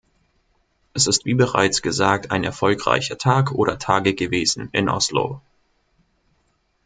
Es ist wie bereits gesagt ein erfolgreicher Tag oder Tage gewesen in Oslo.